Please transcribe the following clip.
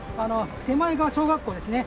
手前が小学校ですね。